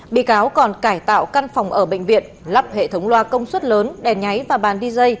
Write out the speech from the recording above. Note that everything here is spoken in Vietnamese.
bị cáo còn cải tạo căn phòng ở bệnh viện lắp hệ thống loa công suất lớn đèn nháy và bàn dj